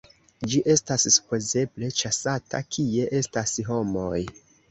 Ĝi estas supozeble ĉasata kie estas homoj.